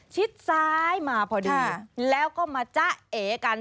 ชิดซ้ายมาพอดีแล้วก็มาจ๊ะเอกัน